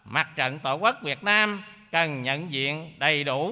mặt trận tổ quốc việt nam cần nhận diện đầy đủ